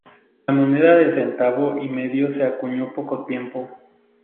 La moneda de centavo y medio se acuñó poco tiempo.